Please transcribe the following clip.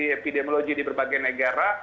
epidemiologi di berbagai negara